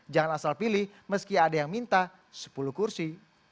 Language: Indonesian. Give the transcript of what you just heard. jangan asal pilih meski ada yang minta sepuluh kursi